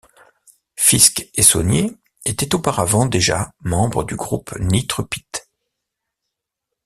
Fisk et Saunier étaient auparavant déjà membre du groupe Nitre Pit.